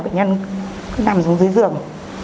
bệnh nhân cứ nằm xuống dưới giường